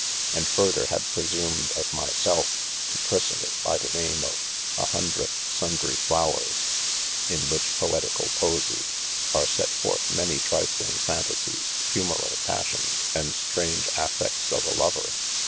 And further have presumed of my selfe to christen it by the name of A hundreth sundrie Flowers: In which poeticall posie are setforth manie trifling fantasies, humorall passions, and straunge affects of a Lover.